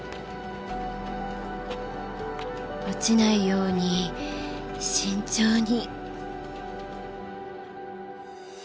落ちないように慎重に。